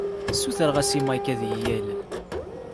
Ssutreɣ-as i Mike ad iyi-yalel.